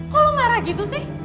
kok lo marah gitu sih